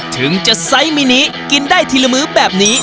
ถึงจะไซส์มินิกินได้ทีละมื้อแบบนี้